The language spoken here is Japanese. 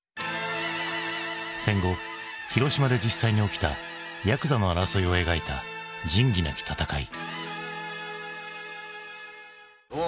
戦後広島で実際に起きたやくざの争いを描いた「仁義なき戦い」。